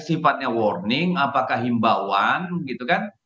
sifatnya warning apakah himbauan gitu kan